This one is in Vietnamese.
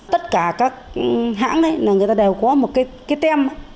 tất cả các hãng này là người ta đều có một cái tem